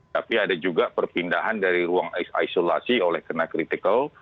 tapi ada juga perpindahan dari ruang isolasi oleh kena critical